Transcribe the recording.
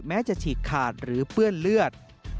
แม้จะฉีกขาดหรือเปื้อนเลือด